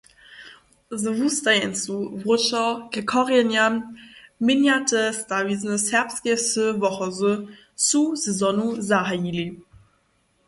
Z wustajeńcu „Wróćo ke korjenjam. Měnjate stawizny serbskeje wsy Wochozy“ su sezonu zahajili.